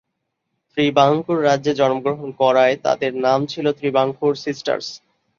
ত্রিবাঙ্কুর রাজ্যে জন্মগ্রহণ করায় তাদের নাম ছিল "ত্রিবাঙ্কুর সিস্টার্স"।